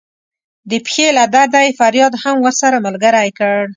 د پښې له درده یې فریاد هم ورسره ملګری کړ.